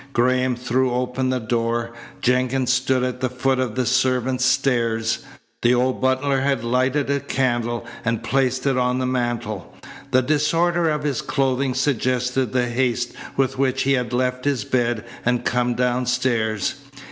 Graham threw open the door. Jenkins stood at the foot of the servants' stairs. The old butler had lighted a candle and placed it on the mantel. The disorder of his clothing suggested the haste with which he had left his bed and come downstairs.